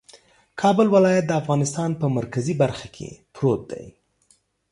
کابل ولایت د افغانستان په مرکزي برخه کې پروت دی